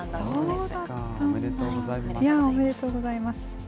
おめでとうございます。